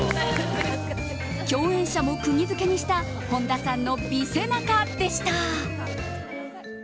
共演者も釘づけにした本田さんの美背中でした。